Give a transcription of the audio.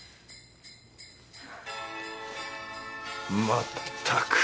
まったく。